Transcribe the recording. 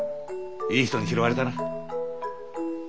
いい人に拾われたな。